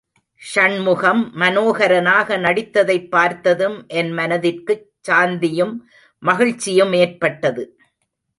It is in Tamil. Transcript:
ஷண்முகம் மனோகரனாக நடித்ததைப் பார்த்ததும் என்மனதிற்குச் சாந்தியும் மகிழ்ச்சியும் ஏற்பட்டது.